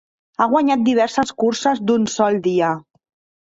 Ha guanyat diverses curses d'un sol dia.